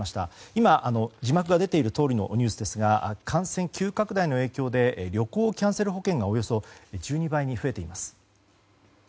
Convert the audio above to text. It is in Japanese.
今字幕が出ているとおりのニュースですが感染急拡大の影響で旅行キャンセル保険がおよそ１２倍に増えています。